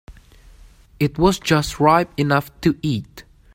It was just ripe enough to eat.